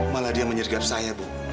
malah dia menyergap saya bu